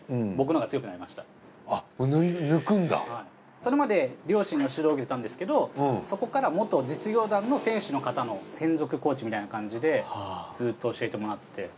それまで両親の指導を受けてたんですけどそこから元実業団の選手の方の専属コーチみたいな感じでずっと教えてもらって。